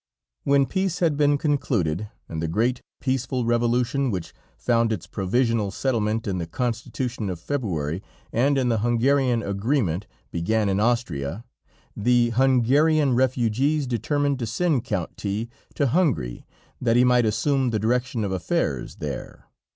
When peace had been concluded, and the great, peaceful revolution, which found its provisional settlement in the Constitution of February and in the Hungarian agreement, began in Austria, the Hungarian refugees determined to send Count T to Hungary, that he might assume the direction of affairs there.